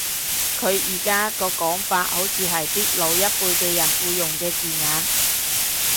佢而家個講法好似係啲老一輩嘅人會用嘅字眼